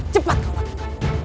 cepat kau bangkit